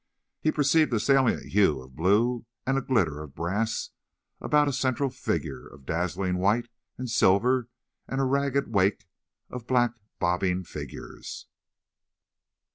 He perceived a salient hue of blue and a glitter of brass about a central figure of dazzling white and silver, and a ragged wake of black, bobbing figures.